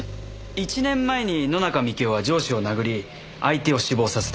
１年前に野中樹生は上司を殴り相手を死亡させた。